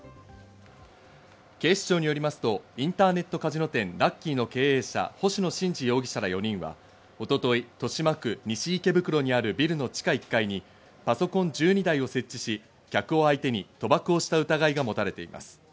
警視庁によりますとインターネットカジノ店・ラッキーの経営者、星野伸司容疑者ら４人は一昨日、豊島区西池袋にあるビルの地下１階にパソコン１２台を設置し、客を相手に賭博をした疑いが持たれています。